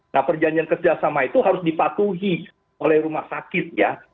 nah perjanjian kerjasama itu harus dipatuhi oleh rumah sakit ya